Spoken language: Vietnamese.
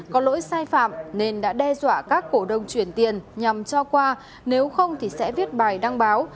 có lỗi sai phạm nên đã đe dọa các cổ đông chuyển tiền nhằm cho qua nếu không thì sẽ viết bài đăng báo